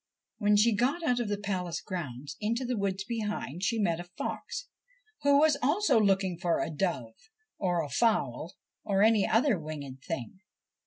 When she got out of the palace grounds into the woods behind, she met a fox who was also looking for a dove, or a fowl, or any other winged thing.